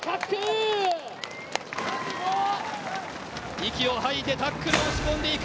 息を吐いてタックルを押し込んでいく。